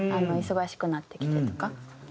忙しくなってきてとか。